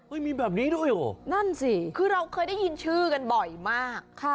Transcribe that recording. มีแบบนี้ด้วยเหรอนั่นสิคือเราเคยได้ยินชื่อกันบ่อยมาก